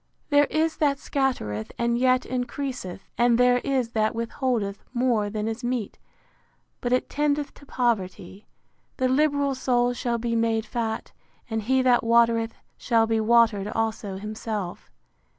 There is that scattereth, and yet increaseth; and there is that withholdeth more than is meet, but it tendeth to poverty. The liberal soul shall be made fat: And he that watereth, shall be watered also himself.